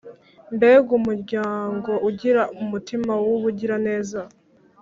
Mbega umuryango ugira umutima wubugiraneza